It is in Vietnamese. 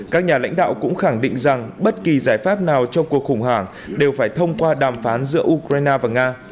các nhà lãnh đạo cũng khẳng định rằng bất kỳ giải pháp nào cho cuộc khủng hoảng đều phải thông qua đàm phán giữa ukraine và nga